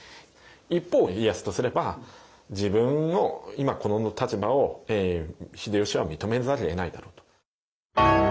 一方家康とすれば自分の今この立場を秀吉は認めざるを得ないだろうと。